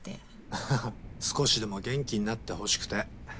アハハ少しでも元気になってほしくて。